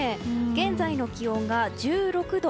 現在の気温が１６度。